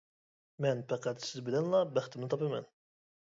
مەن پەقەت سىز بىلەنلا بەختىمنى تاپىمەن.